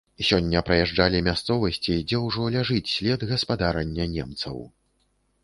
Сёння праязджалі мясцовасці, дзе ўжо ляжыць след гаспадарання немцаў.